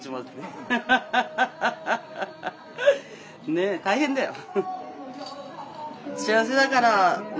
ねえ大変だよ。